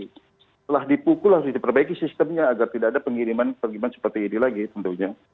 setelah dipukul harus diperbaiki sistemnya agar tidak ada pengiriman pengiriman seperti ini lagi tentunya